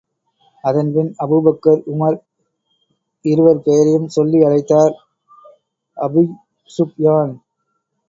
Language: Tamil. அதன்பின், அபூபக்கர், உமர் இருவர் பெயரையும் சொல்லி அழைத்தார் அபூஸூப்யான்.